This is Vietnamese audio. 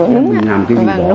mình làm cái gì đó